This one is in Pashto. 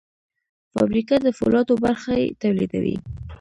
فابریکه د فولادو برخې تولیدوي.